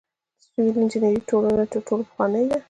د سیول انجنیری ټولنه تر ټولو پخوانۍ ده.